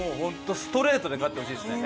ストレートで勝ってほしいですね。